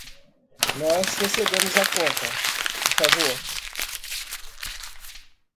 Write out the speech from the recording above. Nós recebemos a conta, por favor?